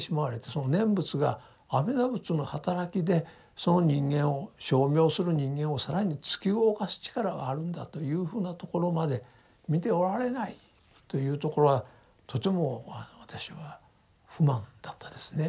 その念仏が阿弥陀仏のはたらきでその人間を称名する人間を更に突き動かす力があるんだというふうなところまで見ておられないというところがとても私は不満だったですね。